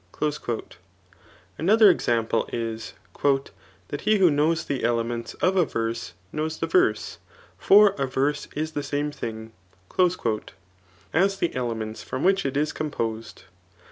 '^' Another example is ^* That he who knows the elements of a verse^ knows the verse ; for a verse is the same thing*' [as the elements from which it is composed.